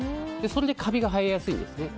それでカビが生えやすいんですね。